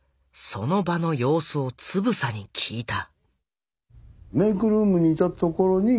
その場の様子をつぶさに聞いた。